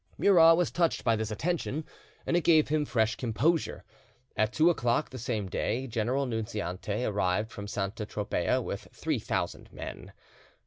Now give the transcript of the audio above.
Murat was touched by this attention, and it gave him fresh composure. At two o'clock the same day General Nunziante arrived from Santa Tropea with three thousand men.